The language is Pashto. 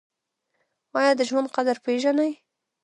ایا د ژوند قدر پیژنئ؟